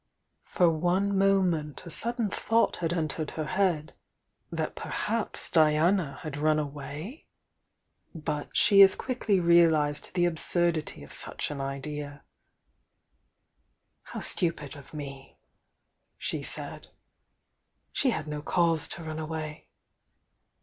For one moment a sudden thought had en tered her head, that perhaps Diana had run away? —but she aa quickly realised the absurdity of such an idea! "How stupid of me !" she said. "She had no cause to run away."